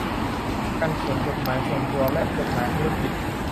การเขียนจดหมายส่วนตัวและจดหมายธุรกิจ